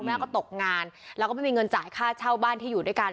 แม่ก็ตกงานแล้วก็ไม่มีเงินจ่ายค่าเช่าบ้านที่อยู่ด้วยกัน